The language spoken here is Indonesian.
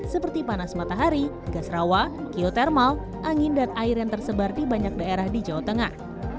seperti panas matahari gas rawa geotermal angin dan air yang tersebar di banyak daerah di jawa tengah